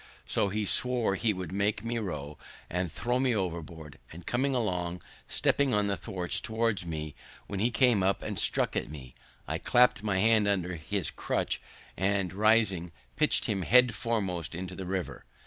So he swore he would make me row, or throw me overboard; and coming along, stepping on the thwarts, toward me, when he came up and struck at me, I clapped my hand under his crutch, and, rising, pitched him head foremost into the river.